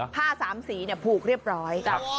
ผ้า๓สีเนี่ยผูกเรียบร้อย